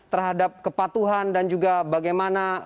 terhadap kepatuhan dan juga bagaimana